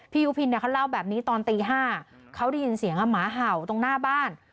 ยุพินเขาเล่าแบบนี้ตอนตี๕เขาได้ยินเสียงหมาเห่าตรงหน้าบ้าน